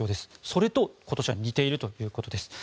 それと今年は似ているということです。